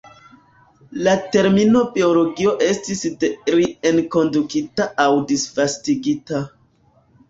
La termino "biologio" estis de li enkondukita aŭ disvastigita.